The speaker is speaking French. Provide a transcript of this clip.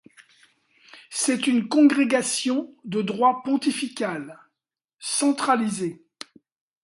C'est une congrégation de droit pontifical, centralisée.